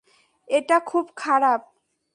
এটা খুব খারাপ।